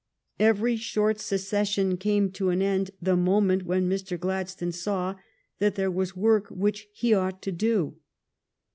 Each short se cession came to an end the moment when Mr. Gladstone saw that there was work which he ought to do.